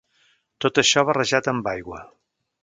Tot això barrejat amb aigua.